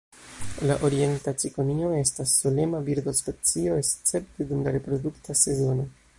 La Orienta cikonio estas solema birdospecio escepte dum la reprodukta sezono.